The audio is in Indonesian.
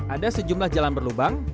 ada sejumlah jalan berlubang